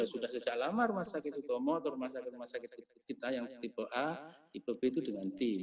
sudah sejak lama rumah sakit utomo atau rumah sakit rumah sakit kita yang tipe a tipe b itu dengan b